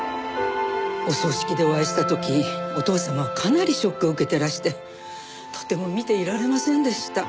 お葬式でお会いした時お父様はかなりショックを受けてらしてとても見ていられませんでした。